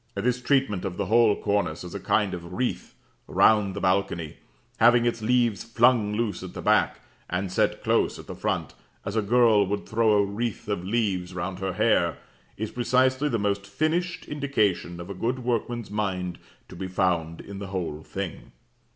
This treatment of the whole cornice as a kind of wreath round the balcony, having its leaves flung loose at the back, and set close at the front, as a girl would throw a wreath of leaves round her hair, is precisely the most finished indication of a good workman's mind to be found in the whole thing.